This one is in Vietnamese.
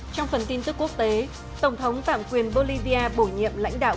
trong phần tin tức quốc tế tổng thống tạm quyền bolivia bổ nhiệm lãnh đạo